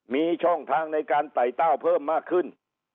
มีช่องทางในการไต่เต้าเพิ่มมากขึ้น